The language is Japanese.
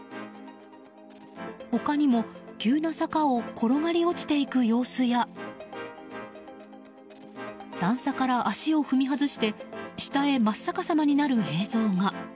他にも急な坂を転がり落ちていく様子や段差から足を踏み外して下へ真っ逆さまになる映像が。